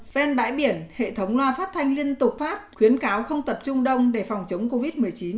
ven bãi biển hệ thống loa phát thanh liên tục phát khuyến cáo không tập trung đông để phòng chống covid một mươi chín